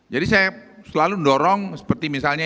jadi saya selalu mendorong seperti misalnya